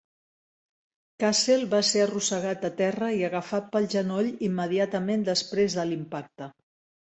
Cassel va ser arrossegat a terra i agafat pel genoll immediatament després de l'impacte.